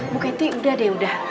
bu keti udah deh udah